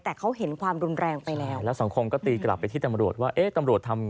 แต่เขาเห็นความรุนแรงไปแล้ว